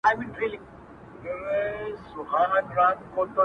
للو سه گلي زړه مي دم سو ؛شپه خوره سوه خدايه؛